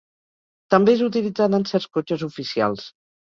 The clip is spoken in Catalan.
També és utilitzada en certs cotxes oficials.